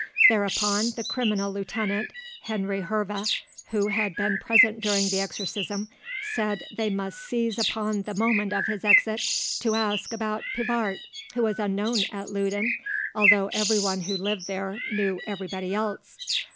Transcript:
Thereupon the criminal lieutenant, Henri Herve, who had been present during the exorcism, said they must seize upon the moment of his exit to ask about Pivart, who was unknown at Loudun, although everyone who lived there knew everybody else.